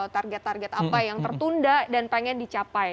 target target apa yang tertunda dan pengen dicapai